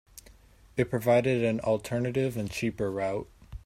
It provided an alternative and cheaper route.